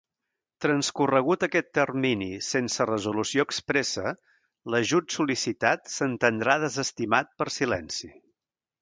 Transcorregut aquest termini sense resolució expressa, l'ajut sol·licitat s'entendrà desestimat per silenci.